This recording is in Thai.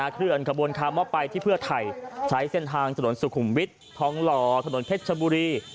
เคลื่อนขบวนคาร์มอบไปที่เพื่อไทยใช้เส้นทางถนนสุขุมวิทย์ทองหล่อถนนเพชรชบุรี